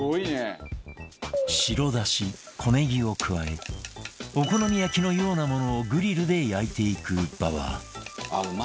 白だし小ネギを加えお好み焼きのようなものをグリルで焼いていく馬場